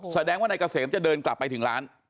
แสดงว่านายเกษมจะเดินกลับไปถึงร้าน